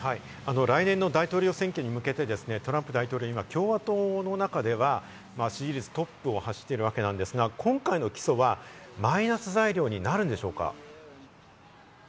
来年の大統領選挙に向けてトランプ大統領は、共和党の中では支持率トップを走っているわけですが、今回の起訴はマイナス材料になるんでしょうか？